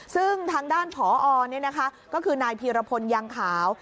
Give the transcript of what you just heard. ซึ่งทางด้านผอก็คือนายพีรพลยังขาว